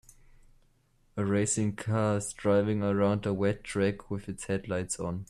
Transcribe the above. A racing car is driving around a wet track with its headlights on.